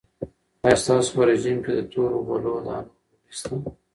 آیا ستاسو په رژیم کې د تورو غلو دانو ډوډۍ شته؟